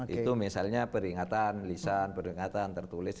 itu misalnya peringatan lisan peringatan tertulis